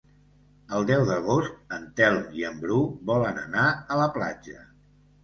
El deu d'agost en Telm i en Bru volen anar a la platja.